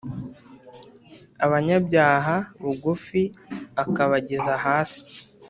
abanyabyaha bugufi akabageza hasi